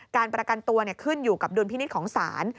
การประกันตัวขึ้นอยู่กับดุลพินิษฐ์ของศาล